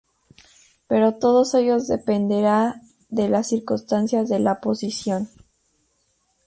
Pero todo ello dependerá de las circunstancias de la posición.